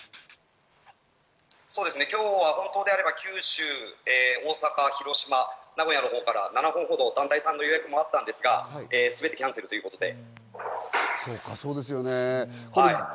今日は本当であれば、九州、大阪、広島、名古屋のほうから７本ほど団体さんの予約もあったんですが、全てキャンセルということで。